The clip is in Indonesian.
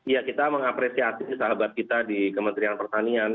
ya kita mengapresiasi sahabat kita di kementerian pertanian